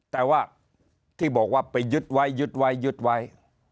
แต่ว่าที่บอกว่าไปยึดไว้ยึดไว้ยึดไว้